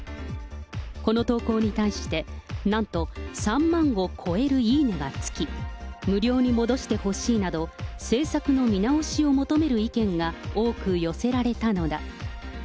この投稿に対して、なんと３万を超えるいいねがつき、無料に戻してほしいなど、政策の見直しを求める意見が多く寄せられたのだ。